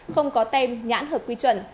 không có tem nhãn hợp quy chuẩn